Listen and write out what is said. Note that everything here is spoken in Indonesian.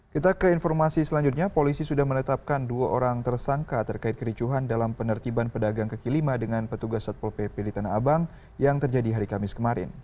kita ke informasi selanjutnya polisi sudah menetapkan dua orang tersangka terkait kericuhan dalam penertiban pedagang kaki lima dengan petugas satpol pp di tanah abang yang terjadi hari kamis kemarin